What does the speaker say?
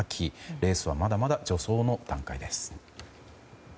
レースはまだまだ助走の段階です。